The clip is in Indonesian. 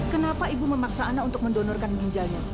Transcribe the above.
kenapa ibu memaksa ana untuk mendonorkan ginjanya